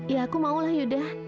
ya aku mau lah yuda